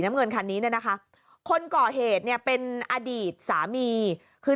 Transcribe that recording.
เงินคันนี้เนี่ยนะคะคนก่อเหตุเนี่ยเป็นอดีตสามีคือ